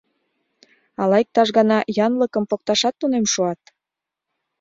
Ала иктаж гана янлыкым покташат тунем шуат?